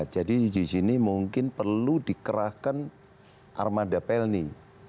jadi di sini mungkin perlu dikerahkan armada pelni